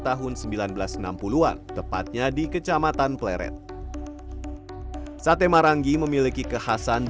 tahun seribu sembilan ratus enam puluh an tepatnya di kecamatan pleret sate marangi memiliki kualitas yang sangat berbeda